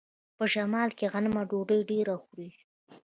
په شمال کې غنم او ډوډۍ ډیره خوري.